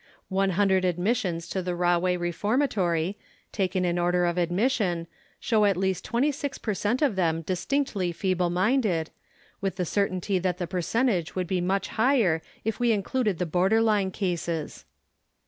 One hundred admissions to the Rah way Reformatory, taken in order of admission, show at least 26 per cent of them distinctly feeble minded, with the certainty that the percentage would be much higher if we included the border line cases.